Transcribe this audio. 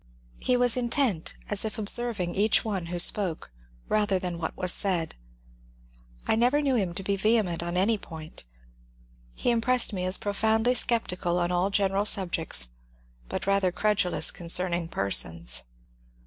He was intent, as if observing each one who spoke rather than what he said. I never knew him to be vehement on any point. He impressed me as profoundly sceptical on all general sub jects, but rather credulous concerning persons.